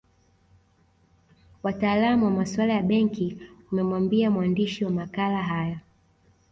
Wataalamu wa masuala ya benki wamemwambia mwandishi wa makala haya